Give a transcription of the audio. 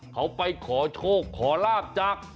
เขาไปขอโชคขอลาบจาก